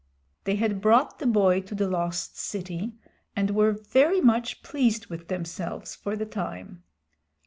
They had brought the boy to the Lost City, and were very much pleased with themselves for the time.